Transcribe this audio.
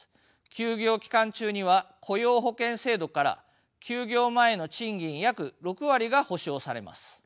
休業期間中には雇用保険制度から休業前の賃金約６割が保障されます。